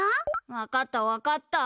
わかったわかった。